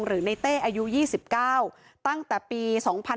หรือในเต้อายุ๒๙ตั้งแต่ปี๒๕๕๙